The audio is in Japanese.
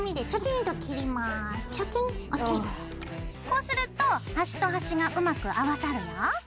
こうすると端と端がうまく合わさるよ。